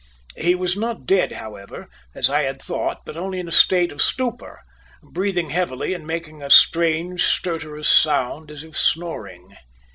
He was not dead, however, as I had thought, but only in a state of stupor, breathing heavily and making a strange stertorous sound as if snoring.